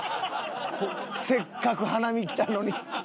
せっかく花見来たのに。